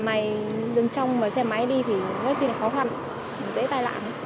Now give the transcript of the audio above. xe máy dừng trong xe máy đi thì rất là khó khăn dễ tai nạn